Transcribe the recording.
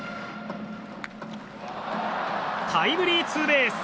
タイムリーツーベース！